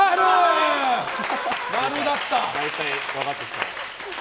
○！大体分かってきた。